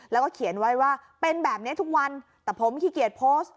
แล้วก็เขียนไว้ว่าเป็นแบบนี้ทุกวันแต่ผมขี้เกียจโพสต์